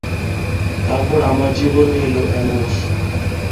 তারপর আমার জীবনে এলো অ্যামোস।